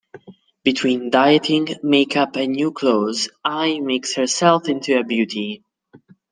Between dieting, makeup and new clothes, Ai makes herself into a beauty.